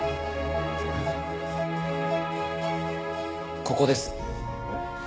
ここです。